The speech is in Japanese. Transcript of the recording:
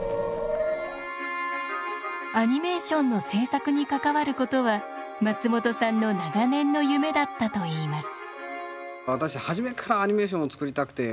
アニメーションの制作に関わることは松本さんの長年の夢だったといいます。